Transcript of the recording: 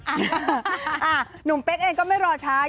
หนุ่มเป๊กเองก็ไม่รอช้า